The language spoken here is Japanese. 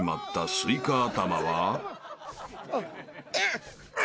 スイカ頭。